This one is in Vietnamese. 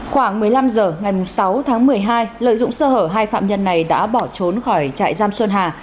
khoảng một mươi năm h ngày sáu tháng một mươi hai lợi dụng sơ hở hai phạm nhân này đã bỏ trốn khỏi trại giam xuân hà